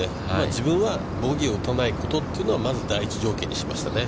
自分はボギーを打たないことというのをまず第一条件にしましたね。